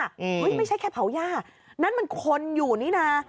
เฮ้ยไม่ใช่แค่เผาหญ้านั่นมันคนอยู่นี่นะ